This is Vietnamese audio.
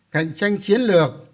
cạnh tranh chiến lược